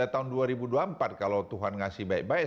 tahun dua ribu dua puluh empat kalau tuhan ngasih baik baik